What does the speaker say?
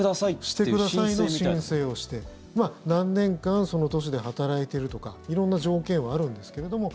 してくださいの申請をして何年間その都市で働いているとか色んな条件はあるんですけれども。